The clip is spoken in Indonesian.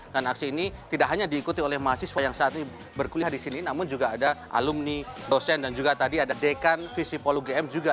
dan aksi ini tidak hanya diikuti oleh mahasiswa yang saat ini berkuliah di sini namun juga ada alumni dosen dan juga tadi ada dekan visi polugm juga ikut membubuhkan